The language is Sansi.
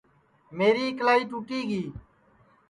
میری اِکلائی ٹُوٹی گی